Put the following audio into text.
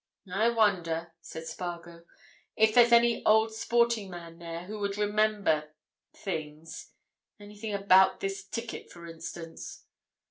"I wonder," said Spargo, "if there's any old sporting man there who could remember—things. Anything about this ticket, for instance?"